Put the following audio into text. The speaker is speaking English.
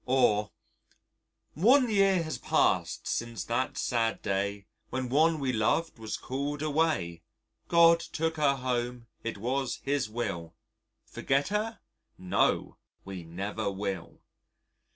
Or: "One year has passed since that sad day, When one we loved was called away. God took her home; it was His will, Forget her? No, we never will."